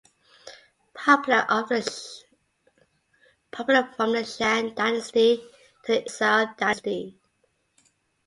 Popular from the Shang Dynasty to the Eastern Zhou Dynasty.